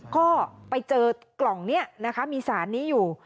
ก็ไปเจอกล่องนี้นะคะมีสารนี้อยู่